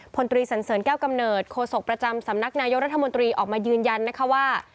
พลตรีสันเสริญแก้วกำเนิดโคศกประจำสำนักนายกรัฐมนตรีออกมายืนยันนะคะว่า